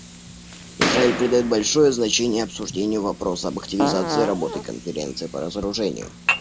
Израиль придает большое значение обсуждению вопроса об активизации работы Конференции по разоружению.